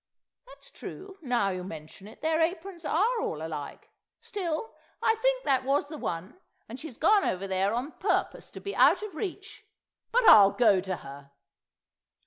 ... That's true, now you mention it; their aprons are all alike. Still, I think that was the one, and she's gone over there on purpose to be out of reach. But I'll go to her."